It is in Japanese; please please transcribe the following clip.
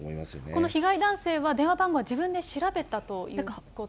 この被害男性は、電話番号は自分で調べたということです。